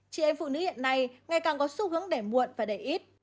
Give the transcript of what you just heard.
chị em phụ nữ hiện nay ngày càng có xu hướng để muộn và để ít